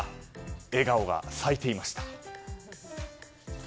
笑顔が咲いていました。